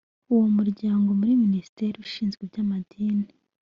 uwo muryango muri minisiteri ishinzwe iby amadini